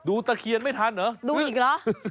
ตะเคียนไม่ทันเหรอดูอีกเหรอ